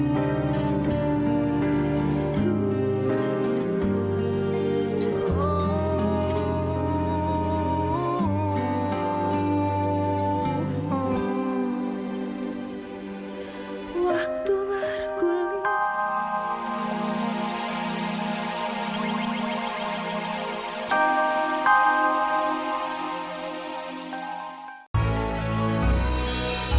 waktu baru kuling